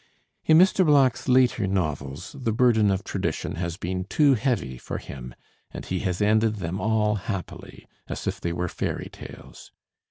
In Mr. Black's later novels, the burden of tradition has been too heavy for him, and he has ended them all happily, as if they were fairy tales.